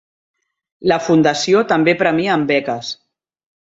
La fundació també premia amb beques.